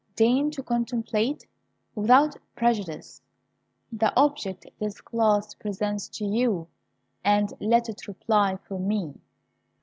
Deign to contemplate, without prejudice, the object this glass presents to you, and let it reply for me."